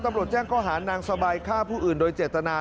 ตำรวจแจ้งข้อหานางสบายฆ่าผู้อื่นโดยเจตนา